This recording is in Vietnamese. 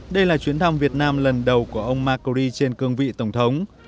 đây là chuyến thăm việt nam lần đầu của ông macori trên cương vị tổng thống